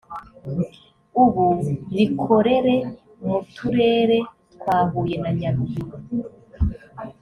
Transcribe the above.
ubu rikorere mu turere twa huye na nyaruguru